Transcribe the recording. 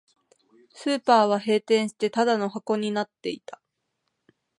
スーパーは閉店して、ただの箱になっていた